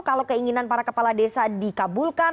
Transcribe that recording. kalau keinginan para kepala desa dikabulkan